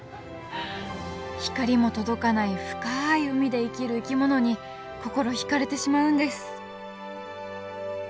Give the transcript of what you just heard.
光も届かない深い海で生きる生き物に心引かれてしまうんです！